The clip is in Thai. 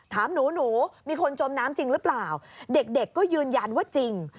ถามหนูหนูมีคนจมน้ำจริงหรือเปล่าเด็กก็ยืนยันว่าจริง